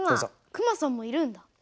クマさんもいるんだ。